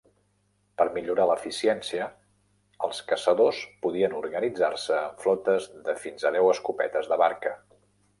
Per millorar l'eficiència, els caçadors podien organitzar-se en flotes de fins a deu escopetes de barca.